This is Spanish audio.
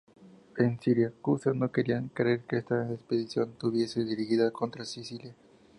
En Siracusa no querían creer que esta expedición estuviese dirigida contra Sicilia.